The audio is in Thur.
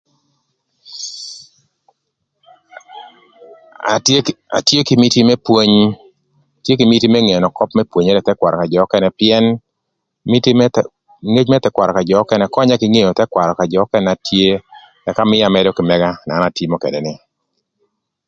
Atye kï atye kï miti më pwony atye kï miti më ngeo köp më pwonyere ï thëkwarö ka jö nökënë pïën miti më thë miti më thëkwarö ka jö könya kï ngeo thëkwarö ka jö nökënë na tye ëka mïa amëdö kï mëga na an atïmö ködë ni.